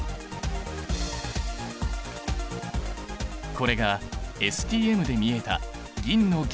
これがＳＴＭで見えた銀の原子！